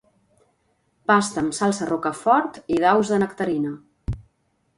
Pasta amb salsa rocafort i daus de nectarina.